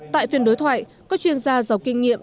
tại phiên đối thoại các chuyên gia giàu kinh nghiệm